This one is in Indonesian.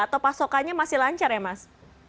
atau pasokannya masih lancar ya mas